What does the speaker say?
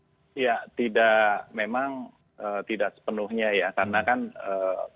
karena kan kalau misalnya kemudian kalau misalnya kemudian kalau misalnya kemudian kalau misalnya kemudian kalau misalnya kemudian